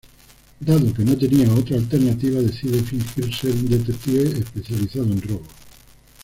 Dado que no tenía otra alternativa decide fingir ser un detective especializado en robos.